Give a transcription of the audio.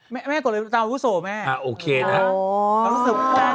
แม่ก็เลยตามผู้โสแม่อ่ะโอเคนะอ๋อสุขมาก